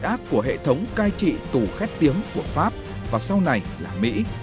tội ác của hệ thống cai trị tù khét tiếng của pháp và sau này là mỹ